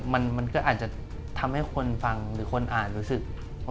มันก็อาจจะทำให้คนฟังหรือคนอ่านรู้สึกว่า